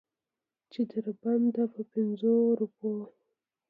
چې تر بنده په پنځو روپو.